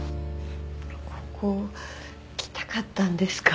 ここ来たかったんですか？